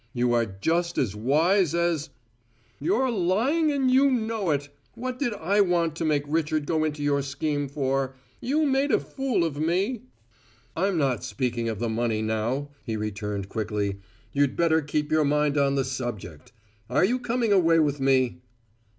You are just as wise as " "You're lying and you know it! What did I want to make Richard go into your scheme for? You made a fool of me." "I'm not speaking of the money now," he returned quickly. "You'd better keep your mind on the subject. Are you coming away with me?"